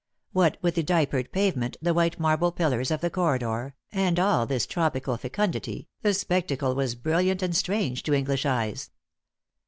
What with the diapered pavement, the white marble pillars of the corridor, and all this tropical fecundity, the spectacle was brilliant and strange to English eyes.